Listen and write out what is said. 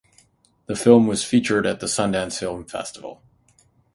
The film was featured at the Sundance Film Festival.